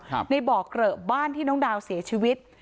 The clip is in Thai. ในบ่อเกลอะบ้านที่น้องดาวเสียชีวิต